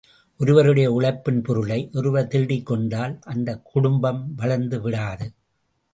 ஒருவருடைய உழைப்பின் பொருளை, ஒருவர் திருடிக் கொண்டால் அந்தக் குடும்பம் வளர்ந்து விடாது.